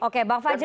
oke bang fajro